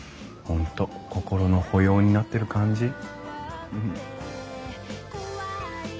本当心の保養になってる感じ。